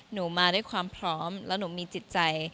หนูมาด้วยความพร้อมแล้วหนูมีจิตใจ